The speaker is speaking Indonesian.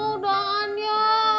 bunga udahan ya